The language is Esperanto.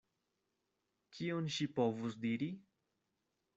Kion ŝi povus diri?